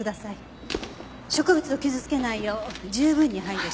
植物を傷つけないよう十分に配慮し。